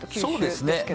そうですね